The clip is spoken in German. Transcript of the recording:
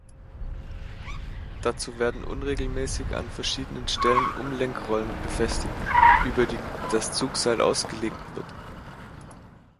Dazu werden unregelmäßig an verschiedenen Stellen Umlenkrollen befestigt, über die das Zugseil ausgelegt wird.